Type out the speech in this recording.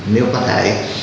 nếu có thể